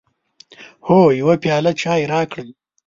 هو، یو پیاله چای راکړئ